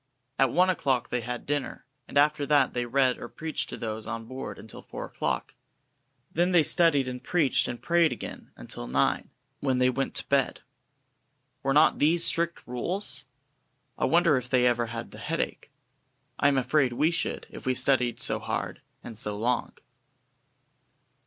At one o'clock they had dinner, and after that they read or preached to those on board until four o'clock. Then they studied and preached and prayed again until nine, when they went to bed. Were not these strict rules? I wonder if they ever had the headache? I am afraid we should, if we studied so hard and so long.